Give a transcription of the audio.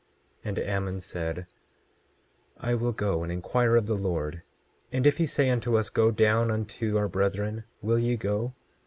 27:7 And Ammon said: I will go and inquire of the Lord, and if he say unto us, go down unto our brethren, will ye go?